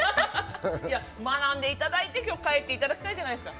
学んでいただいて帰っていただきたいじゃないですか。